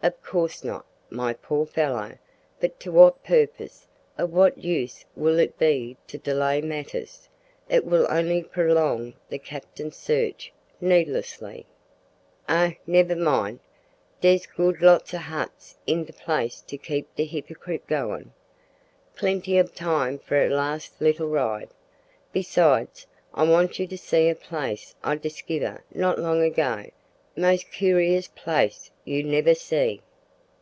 "Of course not, my poor fellow! but to what purpose of what use will it be to delay matters? It will only prolong the captain's search needlessly." "Oh! nebber mind. Der's good lot o' huts in de place to keep de hipperkrit goin'. Plenty ob time for a last leetil ride. Besides, I want you to see a place I diskiver not long ago most koorious place you nebber see."